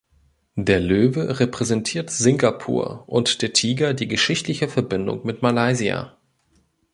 Der Löwe repräsentiert Singapur und der Tiger die geschichtliche Verbindung mit Malaysia.